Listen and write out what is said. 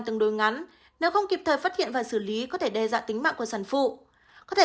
tương đối ngắn nếu không kịp thời phát hiện và xử lý có thể đe dọa tính mạng của sản phụ có thể